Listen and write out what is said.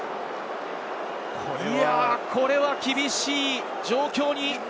これは厳しい状況に。